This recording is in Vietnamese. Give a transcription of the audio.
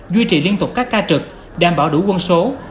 duy trì liên tục các ca trực đảm bảo đủ quân số